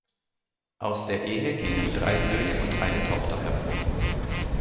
Aus der Ehe gingen drei Söhne und eine Tochter hervor.